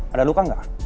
ada luka gak